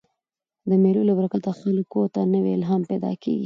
د مېلو له برکته خلکو ته نوی الهام پیدا کېږي.